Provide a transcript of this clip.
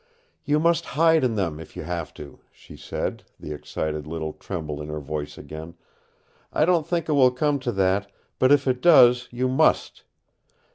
"You must hide in them, if you have to," she said, the excited little tremble in her voice again. "I don't think it will come to that, but if it does, you must!